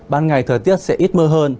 ban ngày thời tiết sẽ ít mưa hơn